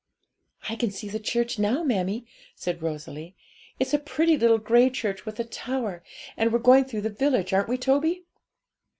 'I can see the church now, mammie,' said Rosalie; 'it's a pretty little grey church with a tower, and we're going through the village; aren't we, Toby?'